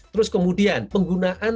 terus kemudian penggunaan